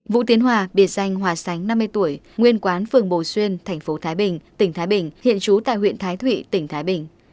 vũ tiến hòa biệt danh hòa sánh năm mươi tuổi nguyên quán phường bồ xuyên thành phố thái bình tỉnh thái bình hiện trú tại huyện thái thụy tỉnh thái bình